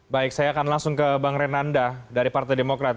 baik saya akan langsung ke bang renanda dari partai demokrat